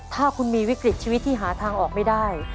ถ้าคุณมีวิกฤตชีวิตที่หาทางออกไม่ได้